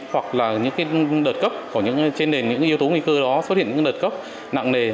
hoặc là những đợt cấp trên nền những yếu tố nguy cơ đó xuất hiện những đợt cấp nặng nề